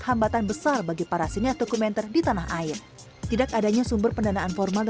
hambatan besar bagi para sinias dokumenter di tanah air tidak adanya sumber pendanaan formal